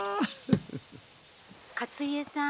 「勝家さん